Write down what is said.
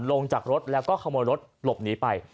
ลงจากรถและเข้าลงลบหนีไป